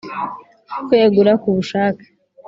Kwegura ku bushake;